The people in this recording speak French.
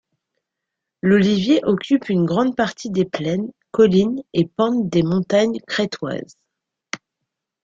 L'olivier occupe une grande partie des plaines, collines et pentes des montagnes crétoises.